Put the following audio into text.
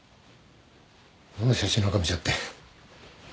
何だ写真なんか見ちゃって。